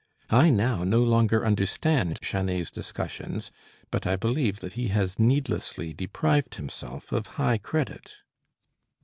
I now no longer understand Janet's discussions, but I believe that he has needlessly deprived himself of high credit.